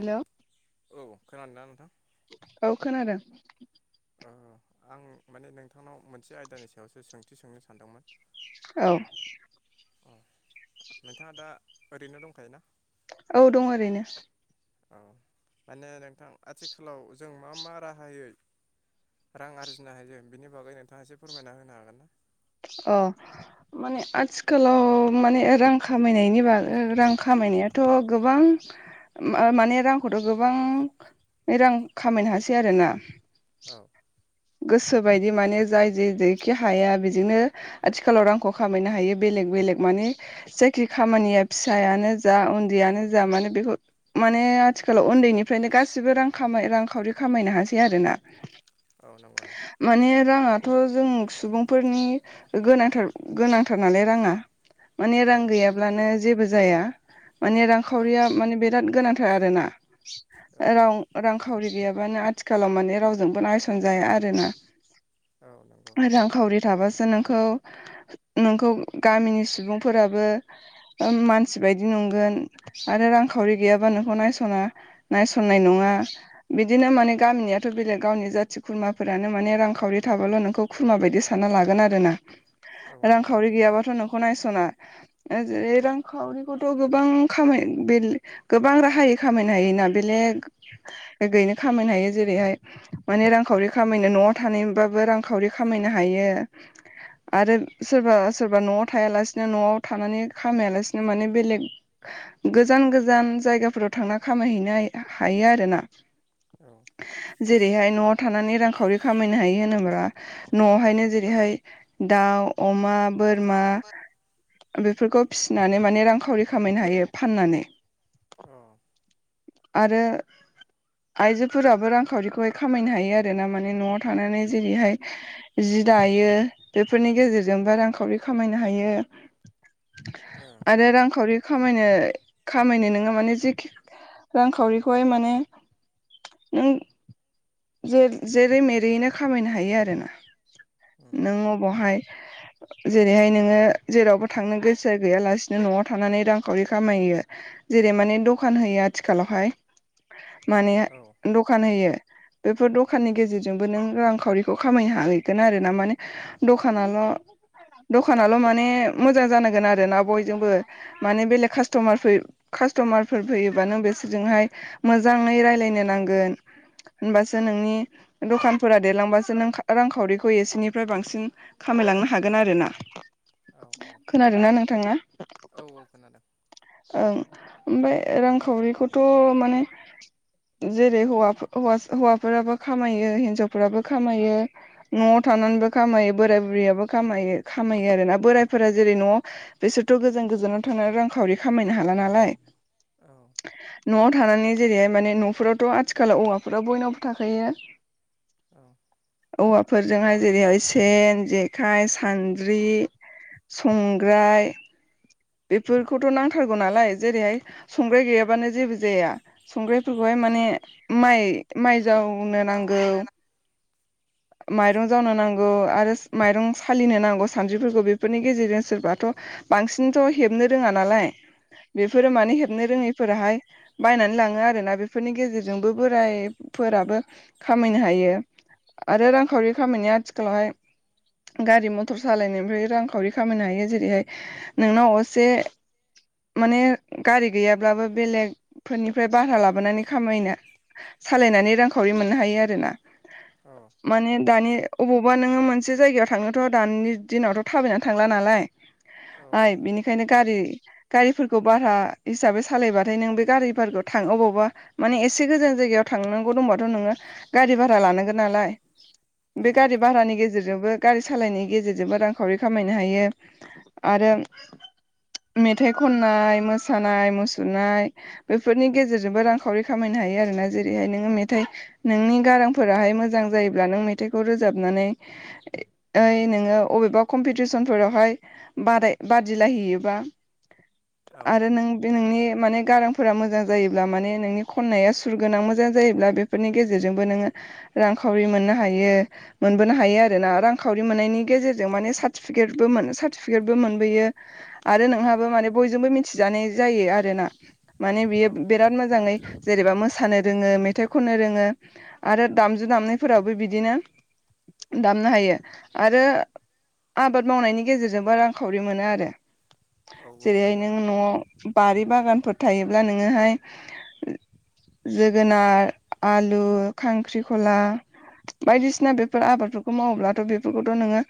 Hello औ खोनादोंना नोंथां? औ खोनादों। ओ आं माने नोंथांनाव मोनसे आयदानि सायावसो सोंथि सोंनो सानदोंमोन। औ। अ नोंथाङा दा ओरैनो दंखायोना? औ दं ओरैनो। औ माने नोंथां आथिखालाव जों मा मा राहायै रां आरजिनो हायो बिनि बागै नोंथाङा एसे फोरमायना होनो हागोन ना? अ माने आथि आथिखालाव माने रां खामायनायनि बागै रां खामायनायाथ' गोबां माने रांखौथ' गोबां रां खामायनो हासै आरोना। औ। गोसो बायदि माने जाय जे जेखि हाया बिदिनो आथिखालाव रांखौ खामायनो हायो बेलेग बेलेग माने जायखि खामानिया फिसायानो जा उन्दैयानो जा माने बेखौ माने आथिखालाव उन्दैनिफ्रायनो गासिबो रां खामाय रांखावरि खामायनो हासै आरोना। औ नंगौ नोंथां। माने राङाथ' जों सुबुंफोरनि गोनांथार गोनांथार नालाय राङा। माने औ रां गैयाब्लानो जेबो जाया माने औ रांखावरिया माने बिराद गोनांथा र आरोना औ रां रांखावरि गैयाबानो आथिखालाव माने रावजोंबो नायस [unintelligible] जाया आरोना। औ नंगौ। रांखावरि थाबासो नोंखौ नोंखौ गामिनि सुबुंफोराबो मानसि बायदि नंगोन आरो रांखावरि गैयाबा नोंखौ नायस'ना नायसननाय नङा बिदिनो माने गामिनियाथ' बेलेग गावनि जाथिखौ खुरमाफोरानो माने रांखावरि थाबाल' नोंखौ खुरमा बायदि सानना लागोन आरो ना। औ नंगौ रांखावरि गैयाबाथ' नोंखौ नायस'ना रांखावरिखौथ' गोबां खामाय बे गोबां राहायै खामायनो हायोना बेलेग [unintelligible] खामायनो हायो जेरैहाय माने रां रांखावरि खामायनो न'आव थानायबाबो रांखावरि खामायनो हायो। आरो सोरबा सोरबा न'आव थायालासिनो न'आव थानानै खामायालासिनो माने बेलेग गोजान गोजान जायगाफोराव थांना खामायहैनो हायो आरोना। औ। जेरैहाय न'आव थानानै रांखावरि खामायनो हायो होनोब्ला न'आवहायनो जेरैहाय दाउ अमा बोरमा बेफोरखौ फिसिनानै माने रांखावरि खामायनो हायो फाननानै। अ। आरो आइजोफोराबो रांखावरिखौहाय खामायनो हायो। आरोना माने न'आव थानानै जेरैहाय जि दायो बेफोरनि गेजेरजोंबोा रांखावरि खामायनो हायो। औ। बे रांखावरि खामायनो खामायनो नोङो माने जखि रांखावरिखौहाय माने नों जेरै मेरैयैनो खामायनो हायो आरोना नों अबावहाय जेरैहाय नोङो जेरावबो थांनो गोसो गैयालासिनो न'आव थानानै रांखावरि खामायो। जेरै माने दखान होयो आथिखालावहाय माने औ दखान होयो। बेफोर दखाननि गेजेरजोंबो नों रांखावरिखौ खामायनो हाहैगोन आरो ना माने दखानाल' दखानल' माने मोजां जानांगोन आरोना बयजोंबो। माने बेलेग कास्टमार फयो कास्ट'मारफोर फैयोबानो बिसोरजोंहाय मोजाङै राय्लायनो नांगोन होनबासो नोंनि दखानफोरा दलांबासो नों रांखावरिखौ एसेनिफ्राय बांसिन खामायलांनो हागोन आरोना औ खोनादों ना नोंथाङा? औ औ खोनादों ओं ओमफ्राय रांखावरिखौथ माने जेरै हौवाफो हैवा हौवाफोराबो खामायो हिन्जावफोराबो खामायो। नआव थानानैबो खामायो बोराइ बुरैयाबो खामायो खामायो आरोना बोरायफोरा जेरै नआव बिसोरथ गोजान गोजानाव थानानै रांखावरि खामायनो हाला नालाय। औ नआव थानानै जेरैह माने नफोरावथ आथिखालाव औवाफोराव बयनावबो थाखायो। औ औवाफोरजोंहाय जेरैहाय सेन जेखाइ सान साद्रि संग्राय बेफोरखौथ नांथारगौ नालाय जेरैहाय संग्राय गैयाब बानो जेबो जाया संग्रायफोरहाय औ माने माय माय जाव बुंनो नांगौ [inaudible] माइरं जावनो नांगौ आरो माइरं सालिनो नांगौ सानज्रिफोरखौ बेफोरनि गेजेरजों सोरबाथ बांसिनथ हेबनो रोङा नालाय बेफोरो औ माने हेबनो रोङैफोराहाय बायनानै लाङो आरोना बेफोरनि गेजेरजोंबो बोराइफोराबो खामायनो हायो। आरो रांखावरि खामानिया आथिखालावहाय गारि मथर सालायनायनिफ्राय रांखावरि खामायनो हायो जेरैहाय नोंनाव असे माने गारि गैयाब्लाबो बेलेग। फोरनिफ्राय भारा लाबोनानै खामायनो सालायनानै रांखावरि मोननो हायो आरोना। औ माने दानि अबावबा नोङो मोनसे जायगायाव थांनोथ दानि दिनावथ थाबायनानै थांला नालाय। ओइ बिनिखायनो गारि। गारिफोरखौ भारा हिसाबै सालायबाथाय नों बे गारिफोरखौ थाङो अबावबा माने एसे गोजान जायगायाव थांनांगौ दंबाथ नोङो गारि भारा लानांगोन नालाय। बे गारि भारानि गेजेरजोंबो गारि सालायनायनि गेजेरजोंबो रांखावरि खामायनो हायो आरो। मेथाइ खननाय मोसानाय मुसुरनाय। बेफोरनि गेजेरजोंबो रांखावरि खामायनो हायो आरोना जेरैहाय नोङो मेथाइ। नोंनि गारांफोराहाय मोजां जायोब्ला नों मेथाइखौ रोजाबनानै। ओइ नोङो अबेबा कम्पिटिसनफोरावहाय बादाय बादिलायहैयोबा औ आरो नों। बे नोंनि माने गारांफोरा मोजां जायोब्ला माने नोंनि खन्नाया सुरगोनां मोजां जायोब्ला बेफोरनि गेजे गेजेरजोंबो नोङो रांखावरि मोननो हायो। मोनबोनो हायो आरोना रांखावरि मोननायनि गेजेरजों माने साथिफिकेट बो मोन साथिफिकेटबो मोनो। बैयो आरो नोंहाबो माने बयजोंबो मिथि जानाय जायो आरोना। माने औ बियो औ बिराद मोजाङै। जेनेबा मोसानो रोङो मेथाइ खननो रोङो आरो दामजु दामनायफोरावबो बिदिनो। दामनो हायो आरो आबाद मावनायनि गेजेरजोंबों रां खावरि मोनो आरो औ जेरैहाय नंगौ नों नोंथां नआव बारि बागानफोर थायोब्ला नोङोहाय। जोगोनार आलु खांख्रिखला। बायदिसिना बेफोर आबादफोरखौ मावोब्लाथ बेफोरखौथ नोङो।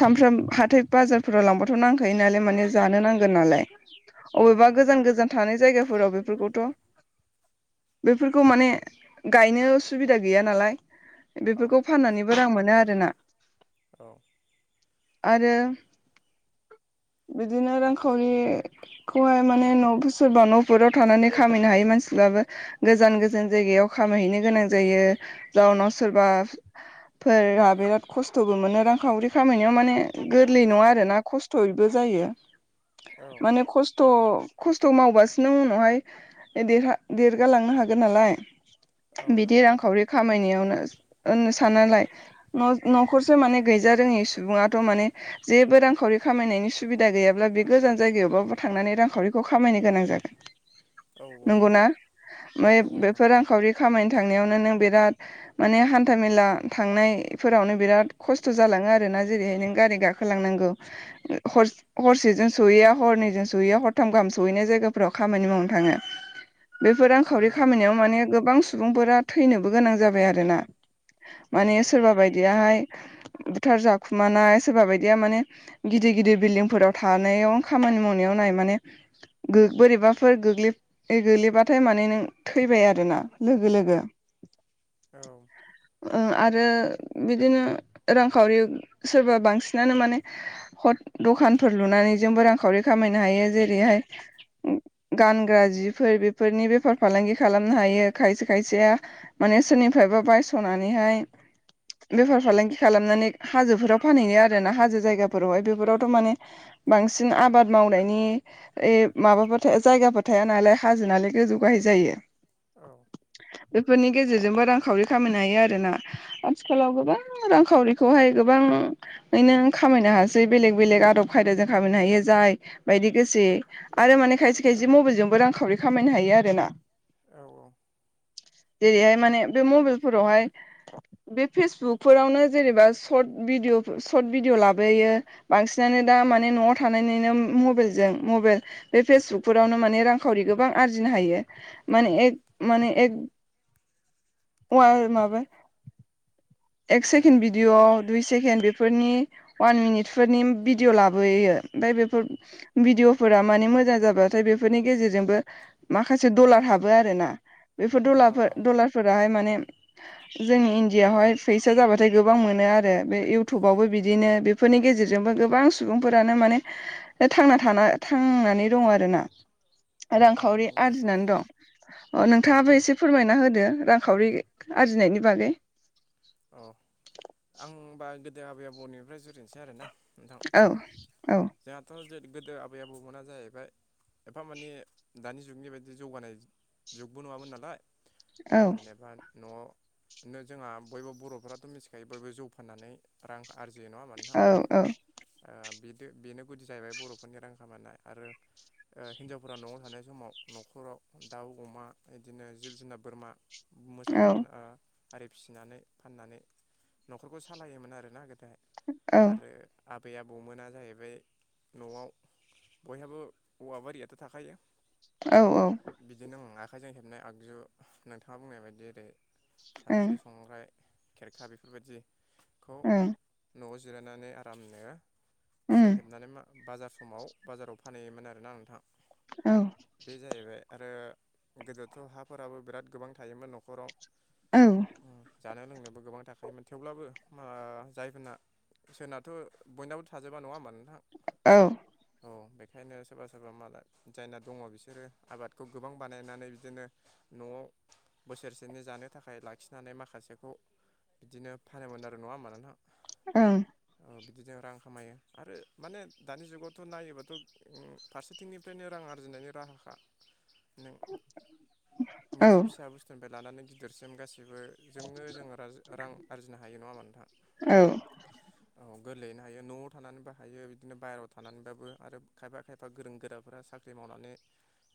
सानफ्राम हाथाय बाजारफोराव लांबाथ नांखायो नालाय माने जानो नांगोन नालाय। उम अबेबा उम गोजान गोजान थानाय जायगाफोराव बेफोरखौथ। बेफोरखौ माने गायनो सुबिदा गैया नालाय। औ बेफोरखौ फाननानैबो रां मोनो आरो ना। औ आरो बिदिनो रांखावरि खौहाय माने न' सोरबा न'फोराव थानानै खामायनो हायो मानसिफ्राबो। गोजान गोजान जायगायाव खामहैनो गोनां जायो जाउनाव सोरबा फोर बिराद खस्थ'बो मोनो रांखावरि खामायनायाव माने गोरलै नङा आरोना खस थ'यैबो जायो औ माने खस थ' खस्थ' मावबसो नों उनावहाय ओ देरहा देरगालांनो हागोन नालाय। औ बिदि नंगौ नोंथां रांखावरि खामायनायावनो होननो सानालाय न-न'खरसो माने गैजा रोङि सुबुङाथ' माने जेबो रांखावरि खामायनायनि सुबिदा गैयाब्ला बे गोजान जायगायावबाबो थांनानै रांखावरिखौ खामायनो गोनां जागोन। औ औ नंगौना नंगौ औ ओमफ्राय नंगौ नोंथां बेफोर रांखावरि खामायनो थांनायावनो नों बिराद माने हान्था मेला थांनायफोरावनो बिराद खस्थ' जालाङो आरोना जेरैहाय नों गारि गाखोलांनांगौ। हस हरसेजों सहैया हरनैजों सहैया हरथाम गाहाम सहैनाय जायगाफोराव खामानि मावनो थाङो। बेफोर रांखावरि उम खामायनायाव माने गोबां सुबुंफोरा थैनोबो गोनां जाबाय आरोना। माने नंगौ सोरबा नोंथां बायदियाहाय बुथार जाखुमानाय सोरबा बायदिया माने गिदिर गिदिर बिल्डिंफोराव थानायाव खामानि मावनायाव नाय माने गो बोरैबाफोर गोग्लै ए गोलैबाथाय माने नों थैबाय आरो ना लोगो लोगो। औ ओ आरो बिदिनो रांखावरि सोरबा बांसिनानो माने हथ दखानफोर लुनानै जोंबो रांखावरि खामायनो हायो जेरैहाय गानग्रा जिफोर बेफोरनि बेफार फालांगि खालामनो हायो खायसे खायसेया माने सोरनिफ्रायबो बायस'नानैहाय बेफार फालांगि खालामनानै हाजोफोराव फानहैयो आरो ना हाजो जायगाफोरावहाय बेफोरावथ' माने बांसिन आबाद मावनायनि ए माबाफोर थाया जायगाफोर थाया नालाय हाजो नालाय गोजौ गाहाय जायो। औ बेफोरनि गेजेरजोंबो रांखावरि खामायनो हायो आरोना। आथिखालाव गोबां रांखावरिखौहाय गोबांङैनो खामायनो हासै बेलेग बेलेग आदब खायदाजों खामायनो हायो जाय बायदि गोसि आरो माने खायसे खायसे मबाइलजोंबो रांखावरि खामायनो हायो आरो ना। औ औ जेरैहाय माने बे मबाइलफोरावहाय बे फेसबुकफोरावनो जेनेबा सर्ट भिडिअफोर सर्ट भिडिअ लाबोयो बांसिनानो दा माने न'आव थानानैनो मबाइलजों मबाइल बे फेसबुकफोरावनो माने रांखावरि गोबां आरजिनो हायो। माने एक माने एक अवामाबा ए हा सेकेण्ड बि दिअ' दुइ सेकेणड बेफोरनि अवान मिनिटफोरनि भिडिअ लाबोयो ओमफ्राय बेफोर भिडिअफोरा माने मोजां जाबाथाय बेफोरनि गेजेरजोंबो माखासे दलार हाबो आरो ना। बेफोर अ दलाफोर दलारफोराहाय माने जोंनि इण्डियावहाय फैसा जाबाथाय गोबां मोनो आरो बे इउटुबावबो बिदिनो बेफोरनि गेजेरजोंबो गोबां सुबुंफोरानो माने थांना थाना थांनानै दङ आरो ना। उम उम रांखावरि नंगौ नोंथां आरजिनानै दं अ उम नोंथाङाबो एसे फोरमायना होदो रांखावरि आरजिनायनि बागै। औ आं बा गोदो आबै आबौनिफ्राय जुरिनोसै आरोना। नोंथां औ औ जोंहाथ' जे गोदो आबै आबौमोना जाहैबाय एफा माने दानि जुगनि बायदि जौगानाय जुगबो नङामोन नालाय। औ जेनेबा न'आवनो जोंहा बयबो बर'फ्राथ' मिथिखायो बयबो जौ फाननानै रां आरजियो नङा होनबा औ नोथां? औ बि बेनो गुदि जाहैबाय बर'फोरनि रां खामनाय आरो हिन्जावफोरा न'आव थानाय समाव न'खराव दाउ अमा बिदिनो जिब जुनार बोरमा मोसौ औ फान आरि फिसिनानै फाननानै न'खरखौ सालायोमोन आरोना गोदोहाय। आरो आबै आबौमोना जाहैबाय न'आव बयहाबो औवा बारियाथ' थाखायो। औ औ बिदिनो आखाइजों हेबनाय आगजु नोंथाङा बुंनाय बायदि ओरै सानद्रि संग्राय। खेरखा बेफोरबायदिखौ ओं न'आव जिरायनानै आरामनो बेनो उम हेबनानै म बाजार समाव बाजाराव फानहैयोमोन आरोना नोंथां। औ बे जाहैबाय आरो गोदोथ' हाफोराबो बिराद गोबां थायोमोन न'खराव। जानो लोंनोबो गोबां थाखायायोमोन थेवब्लाबो म जायफोरना सोरनाथ' बयनाबो थाजोबा नङा होमबा नोंथां। औ औ बेखायनो सोरबा सोरबा मा जायना दङ बिसोरो आबादखौ गोबां बानायनानै बिदिनो न'आव बोसोरसेनि जानो थाखाय लाखिनानै माखासे बेखौ बिदिनो फानोमोन आरो नङा होनबा नोंथां? उम औ बिदिनो रां खामायो आरो माने दानि जुगावथ' नायोबाथ' उम फारसेथिंनिफ्रायनो रां आरजिनायनि राहाखा। नों औ मोनसे फिसा बुस्थुनिफ्राय लानानै गिदिरसिम गाससिबो जोंनो जोङो रां आरजिनो हायो नङा होनबा नोंथां? औ औ गोरलैयैनो हायो न'आव थानानैबो हायो बिदिनो बाहेरायाव थानानैबाबो आरो खायफा खायफा एफा गोरों गोराफ्रा साख्रि मावनानै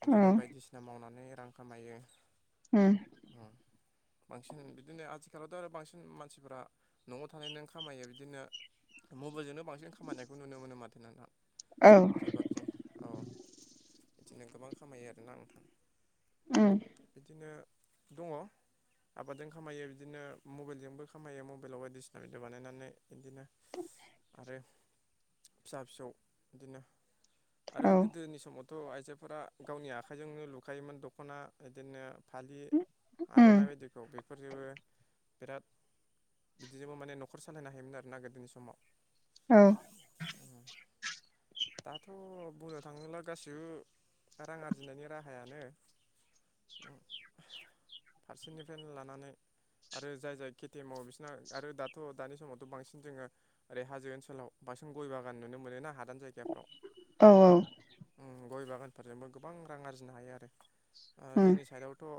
बिदिनो बायदिसिना मावनानै रां खामायो। उम उम बांसिनानो बि बिदिनो आथिखालावथ' आरो बांसिन मानसिफोरा न'आव थानाय नों खामायो बिदिनो मबाइलजोंनो बांसिन खामानिनायखौ नुनो मोनो माथो नोंथां औ बख्रि बाख्रि औ बिदिनो गोबां खामायो आरोना नोंथां। उम बिदिनो दङ आबादजों खामायो बिदिनो मबाइलजोंबो खामायो मबाइलाव बायदिसिना भिडअ बानायनानै बिदिनो आरो फिसा फिसौ बिदिनो आरो गोदोनि समाव थ' आइजोफोरा गावनि आखाइजोंनो लुखायोमोन दख'ना बिदिनो फालि उम आर'नाइ बायदिखौ बेफोरजोंबो बिराद बिदिजोंबो माने न'खर सालायनो हायोमोन आरो ना गोदोनि समाव औ दाथ' बुंनो थाङोब्ला गासिबो रां आरजिनायनि राहायानो फारसेनिफ्रायनो ला थानानै आरो जाय जाय खेथि मावो बिसोरना आरो दाथ' दानि समावथ' बांसिन जोङो ओरै होओनसाव बांसिन गय बागान नुनो मोनोना हादान जायग औ गाफ्राव उम गय बागानफोरजोंबो गोबां रां आरजिनो हायो आरो उम जोंनि साइडआवथ'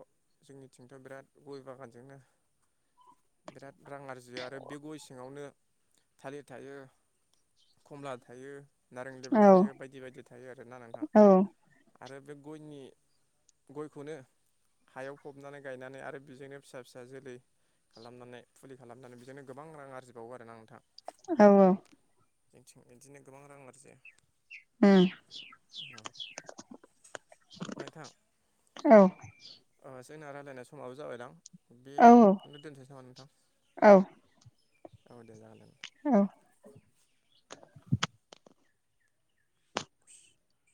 जोंनिथिंथ' बिराद गय बागानजोंनो बिराद रां आरजियो आरो बे गय सिङावनो थालिर थायो खमला थायो नारें लेबु थायो औ बायदि बायदि थायो आरोना नोंथां औ आरो बे गयनि गयखौनो हायाव फबनानै गायनानै आरो बेजोंनो फिसा फिसा जोलै खालामनानै फुलि खालामनानै बेजोंनो गोबां रां आरजिबावो आरोना नोंथां। औ औ जोंथिं बिदिनो गोबां रां आरजियो। ओम नोंथां औ जोंना रायलायनाय समाबो जाबायदां औ बेखौनो दोनथस नामा नोंथां? औ औ दे जागोन दे नोंथां औ खुसि